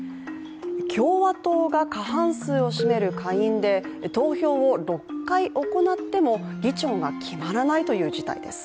共和党が過半数を占める下院で投票を６回行っても議長が決まらないという事態です。